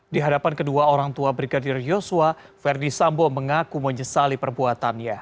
di hadapan kedua orang tua brigadir yosua verdi sambo mengaku menyesali perbuatannya